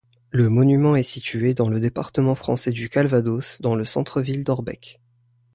Le monument est situé dans le département français du Calvados, dans le centre-ville d'Orbec.